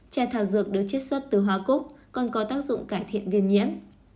trà thảo dược được chết xuất từ hóa cúc còn có tác dụng cải thiện viên nhiễn